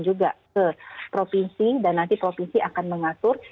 juga ke provinsi dan nanti provinsi akan mengatur